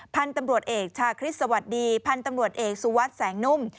พันธุ์ตำรวจเอกชาคริสต์สวัสดีพันธุ์ตำรวจเอกสุวัสดิ์แสงนุ่ม